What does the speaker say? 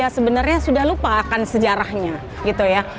sebenarnya sudah lupakan sejarahnya